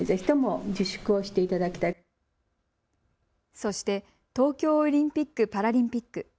そして東京オリンピック・パラリンピック。